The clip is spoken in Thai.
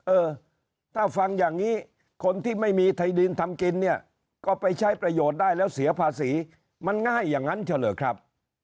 เออถ้าฟังอย่างนี้คนที่ไม่มีไทยดินทำกินเนี่ยก็ไปใช้ประโยชน์ได้แล้วเสียภาษีมันง่ายอย่างนั้นเฉลอครับ